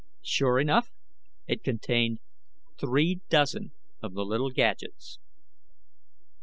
Sure enough, it contained three dozen of the little gadgets.